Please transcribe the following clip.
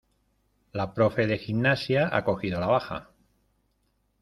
La profe de gimnasia ha cogido la baja.